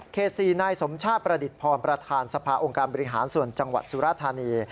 ๔นายสมชาติประดิษฐพรประธานสภาองค์การบริหารส่วนจังหวัดสุรธานี